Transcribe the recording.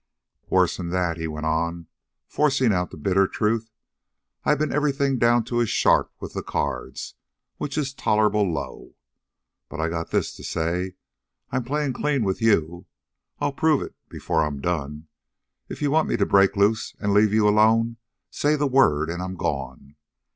"Worse'n that," he went on, forcing out the bitter truth. "I been everything down to a sharp with the cards, which is tolerable low. But I got this to say: I'm playing clean with you. I'll prove it before I'm done. If you want me to break loose and leave you alone, say the word, and I'm gone.